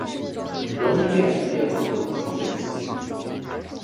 容易辨识猎户座与北极星